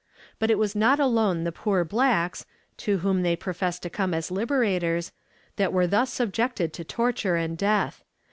But it was not alone the poor blacks (to whom they professed to come as liberators) that were thus subjected to torture and death.